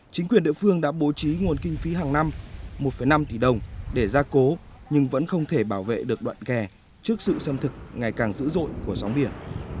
chính quyền địa phương đã bố trí nguồn kinh phí hàng năm một năm tỷ đồng để gia cố nhưng vẫn không thể bảo vệ được đoạn kè trước sự xâm thực ngày càng dữ dội của sóng biển